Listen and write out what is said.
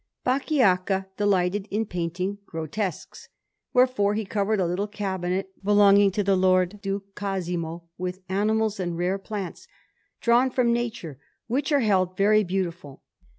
Bacchiaccha delighted in painting grotesques, wherefore he covered a little cabinet belonging to the Lord Duke Cosimo with animals and rare plants, drawn from nature, which are held very beautiful.